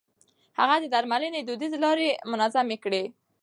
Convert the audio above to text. هغه د درملنې دوديزې لارې منظمې کړې.